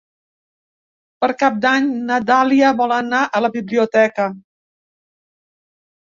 Per Cap d'Any na Dàlia vol anar a la biblioteca.